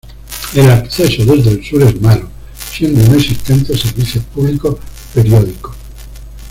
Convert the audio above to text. El acceso desde el sur es malo, siendo inexistentes servicios públicos periódicos.